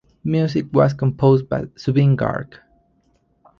Music was composed by Zubeen Garg.